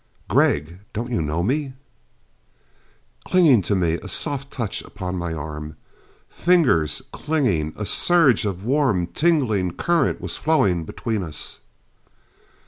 "Gregg don't you know me?" Clinging to me. A soft touch upon my arm. Fingers, clinging. A surge of warm, tingling current was flowing between us.